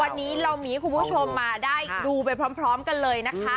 วันนี้เรามีให้คุณผู้ชมมาได้ดูไปพร้อมกันเลยนะคะ